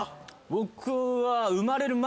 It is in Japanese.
僕は。